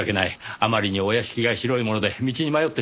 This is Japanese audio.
あまりにお屋敷が広いもので道に迷ってしまいました。